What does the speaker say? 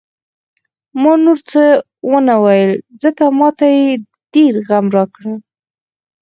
ما نور څه ونه ویل، ځکه ما ته یې ډېر غم راکړ.